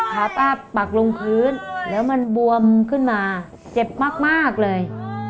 ขาป้าปักลงพื้นแล้วมันบวมขึ้นมาเจ็บมากเลย